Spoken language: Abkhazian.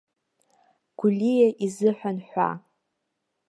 Гәлиа изыҳәан ҳәа.